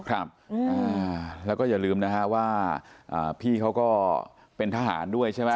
ครับแล้วก็อย่าลืมนะฮะว่าพี่เขาก็เป็นทหารด้วยใช่ไหม